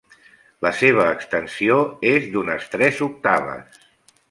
La seva extensió és d'unes tres octaves.